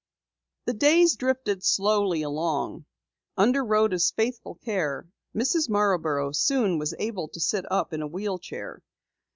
The days drifted slowly along. Under Rhoda's faithful care, Mrs. Marborough soon was able to sit up in a wheel chair.